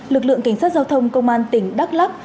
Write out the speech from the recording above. lực lượng cảnh sát giao thông công an tỉnh đắk lắc